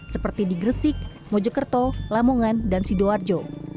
seperti di gresik mojokerto lamongan dan sidoarjo